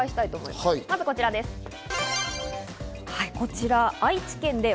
まずこちらです。